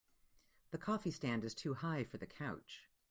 The coffee stand is too high for the couch.